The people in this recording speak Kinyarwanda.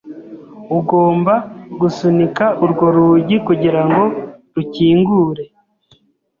Ugomba gusunika urwo rugi kugirango rukingure.